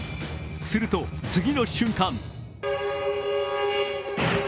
すると、次の瞬間